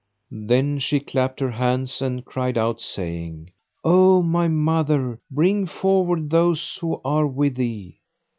Then she clapped her hands and cried out, saying, "O my mother, bring forward those who are with thee."